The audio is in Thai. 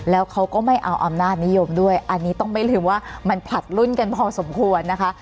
แล้วเขาก็ไม่เอาอำนาจนิยมด้วยอันนี้ต้องไม่ลืมว่ามันผลัดรุ่นกันพอสมควรนะคะ